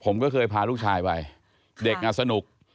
ผมก็เคยพาลูกชายไปเด็กอ่ะสนุก